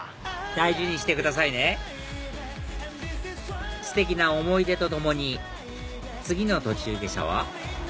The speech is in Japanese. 大事にしてくださいねステキな思い出とともに次の途中下車は？